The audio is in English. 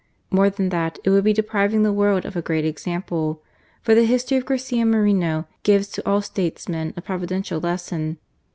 More than that — it would be depriving the world of a great example; for the history of Garcia Moreno gives to all statesmen a Providential lesson.